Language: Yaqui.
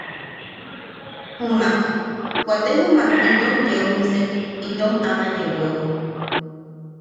Jumak... wate jumak itom yeu bwissek itom ama yeeweo.